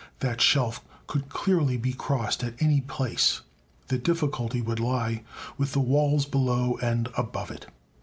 That shelf could clearly be crossed at any place; the difficulty would lie with the walls below and above it.